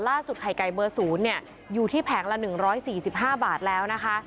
ล่าสุดไข่ไก่เบอร์ศูนย์เนี่ยอยู่ที่แผงละหนึ่งร้อยสี่สิบห้าบาทแล้วนะคะ